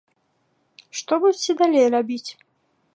Што будзеце далей рабіць?